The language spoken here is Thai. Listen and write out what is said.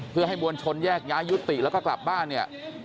เพื่อให้มวลชนแยกย้ายยุติแล้วก็กลับบ้านเนี่ย